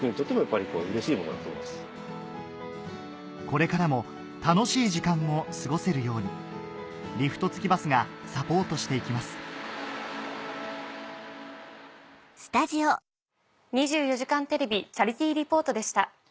これからも楽しい時間を過ごせるようにリフト付きバスがサポートして行きます「２４時間テレビチャリティー・リポート」でした。